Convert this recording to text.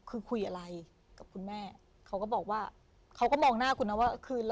คือคุยอะไรกับคุณแม่เขาก็บอกว่าเขาก็มองหน้าคุณนะว่าคืนแล้ว